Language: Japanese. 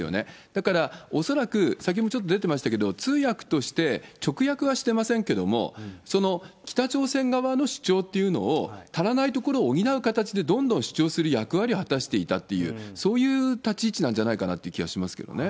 だから恐らく先ほどもちょっと出てましたけど、通訳として、直訳はしてませんけども、北朝鮮側の主張というのを足らないところを補う形で、どんどん主張する役割を果たしていたっていう、そういう立ち位置なんじゃないかなという気はしますけどね。